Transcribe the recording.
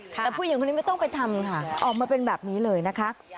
แต่ผู้หญิงคนนี้ไม่ต้องไปทำค่ะออกมาเป็นแบบนี้เลยนะคะ